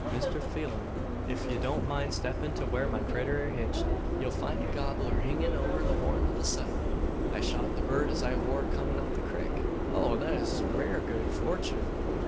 Mister Pheelum, ef ye don't mind steppin' to whar my critter air hitched, ye'll find a gobbler hangin' over the horn o' the seddle. I shot the bird as I war comin' up the crik." "Oh, that is rare good fortune!